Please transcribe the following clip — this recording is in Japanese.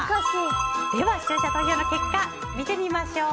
では視聴者投票の結果見てみましょう。